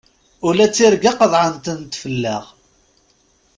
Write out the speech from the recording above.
Ula d tirga qeḍεen-tent fell-aɣ!